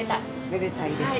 めでたいです。